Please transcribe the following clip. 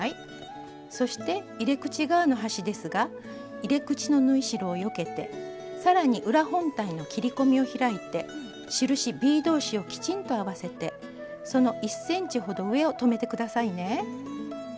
そして入れ口側の端ですが入れ口の縫い代をよけてさらに裏本体の切り込みを開いて印ｂ同士をきちんと合わせてその１ｃｍほど上を留めて下さいね。